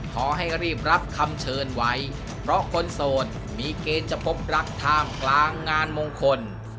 ขอให้รีบรับคำเชิญไว้เพราะคนโสดมีเกณฑ์จะพบรักท่ามกลางงานมงคล